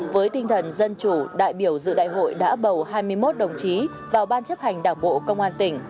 với tinh thần dân chủ đại biểu dự đại hội đã bầu hai mươi một đồng chí vào ban chấp hành đảng bộ công an tỉnh